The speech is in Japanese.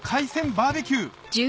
バーベキュー